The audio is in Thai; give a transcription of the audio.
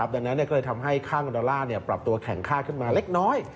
ดังนั้นก็เลยทำให้ข้างเงินการชนอนดอลลาร์เปลี่ยนแข่งข้าขึ้นมาเล็กน้อย